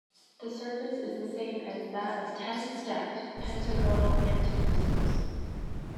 The surface is the same as that of ten stacked pentagonal antiprisms.